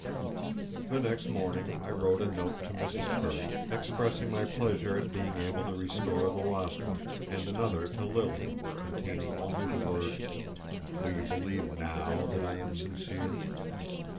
The next morning I wrote a note to Mrs. Currie, expressing my pleasure at being able to restore the lost one, and another to Lilian, containing only the words, "Will you believe now that I am sincere?"